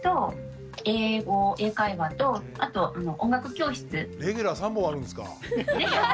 今レギュラー３本あるんですか。